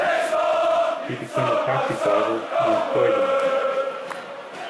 He became a taxi driver in Croydon.